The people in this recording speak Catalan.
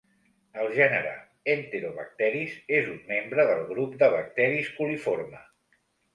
El gènere "enterobacteris" és un membre del grup de bacteris coliforme.